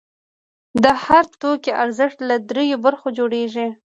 د هر توکي ارزښت له درېیو برخو جوړېږي